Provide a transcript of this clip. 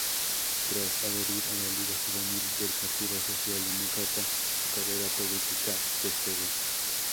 Tras adherir a la Liga Juvenil del Partido Social Demócrata, su carrera política despegó.